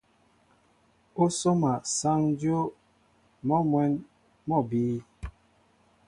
Ó sóma sáŋ dyów, mɔ́ mwɛ̌n mɔ́ a bíy.